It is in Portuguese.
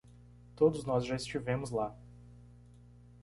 Todos nós já estivemos lá.